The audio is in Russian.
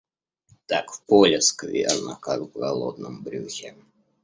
Так в поле скверно, как в голодном брюхе.